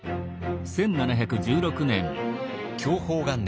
享保元年